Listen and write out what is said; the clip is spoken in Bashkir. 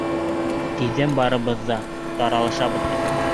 Тиҙҙән барыбыҙ ҙа таралышабыҙ бит.